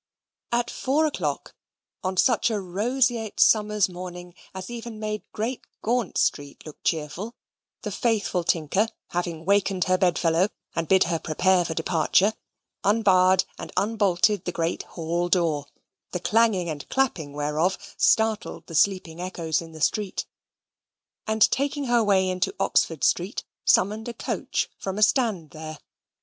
At four o'clock, on such a roseate summer's morning as even made Great Gaunt Street look cheerful, the faithful Tinker, having wakened her bedfellow, and bid her prepare for departure, unbarred and unbolted the great hall door (the clanging and clapping whereof startled the sleeping echoes in the street), and taking her way into Oxford Street, summoned a coach from a stand there.